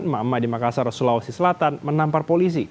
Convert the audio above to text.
emak emak di makassar sulawesi selatan menampar polisi